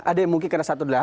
ada yang mungkin kena satu doa